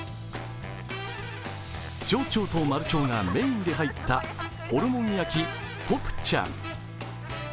小腸とマルチョウがメインで入ったホルモン焼きコプチャン。